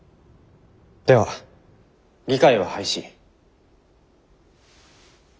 では議会は廃止。